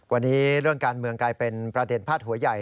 วันนี้เรื่องการเมืองกลายเป็นประเด็นพาดหัวใหญ่